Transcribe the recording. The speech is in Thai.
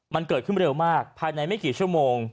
มันเกิดขึ้นเร็วมากภายในไม่กี่ชั่วโมง